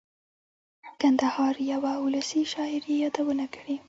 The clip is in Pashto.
کندهار یوه اولسي شاعر یې یادونه کړې.